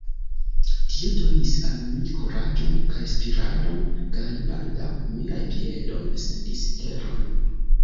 Tio donis al mi kuraĝon kaj spiradon, kaj baldaŭ miaj piedoj sentis teron.